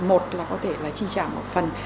một là có thể là chi trả một phần